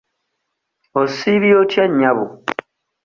Osiibye otya nnyabo?